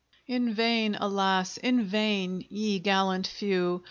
In vain, alas! in vain, ye gallant few!